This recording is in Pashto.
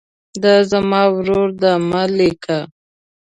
دا زما ورور ده مه لیکئ.